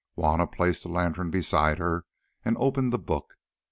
Juanna placed the lantern beside her and opened the book.